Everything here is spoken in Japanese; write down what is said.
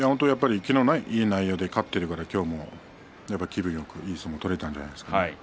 昨日はいい内容で勝ってるから今日も気分よくいい相撲が取れたんじゃないですかね。